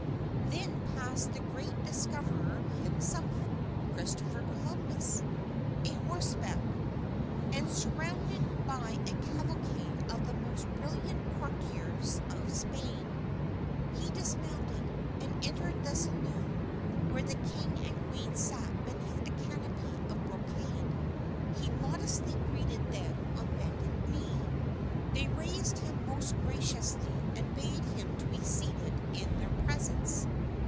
Then passed the great discoverer himself, Christopher Columbus, a horseback, and surrounded by a cavalcade of the most brilliant courtiers of Spain. He dismounted, and entered the saloon where the King and Queen sat beneath a canopy of brocade. He modestly greeted them on bended knee. They raised him most graciously, and bade him be seated in their presence.